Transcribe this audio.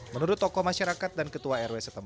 menurut tokoh masyarakat dan ketua rw